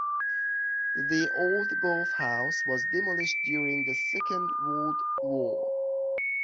The old boathouse was demolished during the Second World War.